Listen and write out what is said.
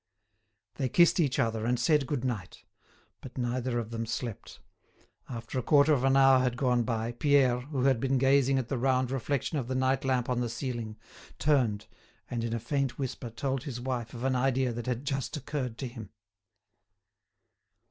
They kissed each other and said good night. But neither of them slept; after a quarter of an hour had gone by, Pierre, who had been gazing at the round reflection of the night lamp on the ceiling, turned, and in a faint whisper told his wife of an idea that had just occurred to him.